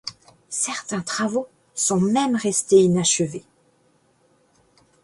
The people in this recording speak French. Certains travaux sont même restés inachevés.